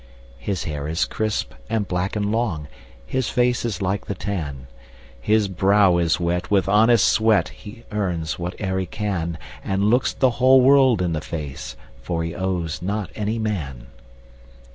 His hair is crisp, and black, and long, His face is like the tan; His brow is wet with honest sweat, He earns whate'er he can, And looks the whole world in the face, For he owes not any man.